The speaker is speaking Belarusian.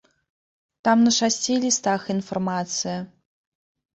Там на шасці лістах інфармацыя.